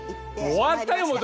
もう終わったよ！